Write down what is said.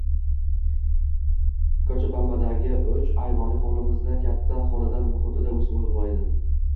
Kochabambadagi uch ayvonli hovlimizda katta xonadon muhitida o‘sib ulg‘aydim